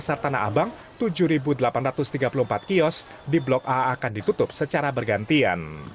pasar tanah abang tujuh delapan ratus tiga puluh empat kios di blok a akan ditutup secara bergantian